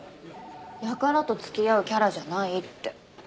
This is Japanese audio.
ヤカラと付き合うキャラじゃないって。